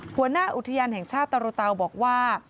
หัวหน้าอุทยานแห่งชาติตรูเตาบอกว่า